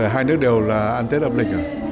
hai nước đều ăn tết ấm lịch